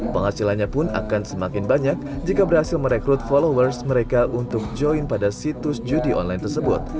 penghasilannya pun akan semakin banyak jika berhasil merekrut followers mereka untuk join pada situs judi online tersebut